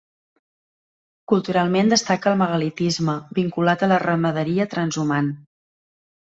Culturalment destaca el megalitisme, vinculat a la ramaderia transhumant.